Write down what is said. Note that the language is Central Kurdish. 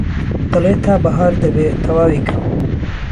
دەڵێ تا بەهار دەبێ تەواوی کەم